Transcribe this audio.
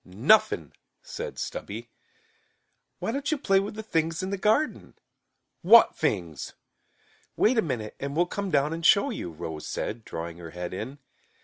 "Nuffin'," said Stubby. "Why don't you play with the things in the garden?" "What fings?" "Wait a minute and we'll come down and show you," Rose said, drawing her head in.